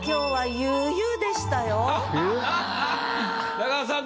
中田さん